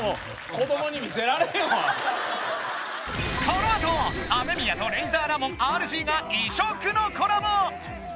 このあとＡＭＥＭＩＹＡとレイザーラモンＲＧが異色のコラボ！